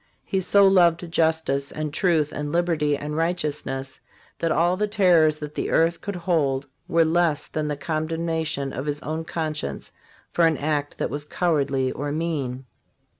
He so loved justice and truth and liberty and righteous ness that all the terrors that the earth could hold were less than the condemnation of his own conscience for an act that was cowardly or mean.